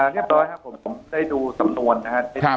เรียบร้อยครับผมผมได้ดูสำนวนนะครับ